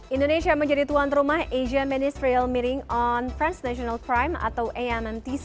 indonesia menjadi tuan rumah asia ministerial meeting on fresh national crime atau anntc